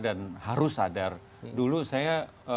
dan harus sadar dulu saya